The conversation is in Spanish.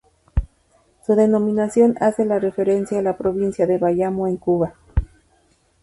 Su denominación hace referencia a la provincia de Bayamo en Cuba.